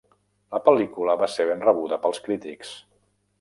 La pel·lícula va ser ben rebuda pels crítics.